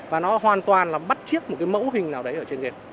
và nó hoàn toàn là bắt chiếc một cái mẫu hình nào đấy ở trên gen